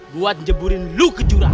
buat njeburin lu ke jurang